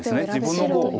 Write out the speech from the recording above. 自分の碁を。